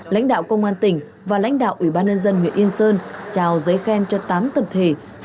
lãnh đạo công an tỉnh và lãnh đạo ủy ban nhân dân huyện yên sơn trao giấy khen cho tám tập thể